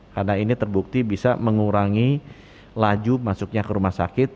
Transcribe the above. karena ini terbukti bisa mengurangi laju masuknya ke rumah sakit